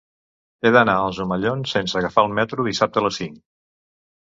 He d'anar als Omellons sense agafar el metro dissabte a les cinc.